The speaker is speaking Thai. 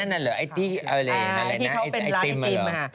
ไอ้นั่นน่ะเหรอไอ้ตี้อะไรไอ้ติม